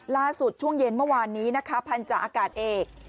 ช่วงเย็นเมื่อวานนี้นะคะพันธาอากาศเอก